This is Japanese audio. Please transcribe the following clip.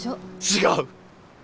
違う！